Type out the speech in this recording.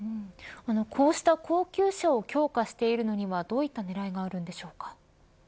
こうした高級車を強化しているのにはどういった狙いがあるんでしょうか。